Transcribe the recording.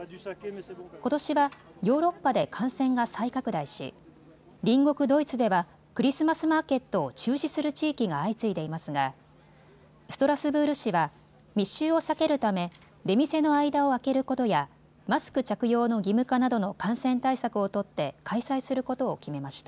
ことしはヨーロッパで感染が再拡大し隣国ドイツではクリスマスマーケットを中止する地域が相次いでいますがストラスブール市は密集を避けるため出店の間を空けることやマスク着用の義務化などの感染対策を取って開催することを決めました。